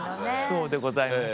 そうでございます。